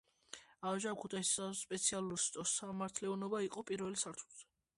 ამჟამად, ქუთაისის სააპელაციო სასამართლოს პირველ სართულზე მდებარეობს მოქალაქეთა მისაღები.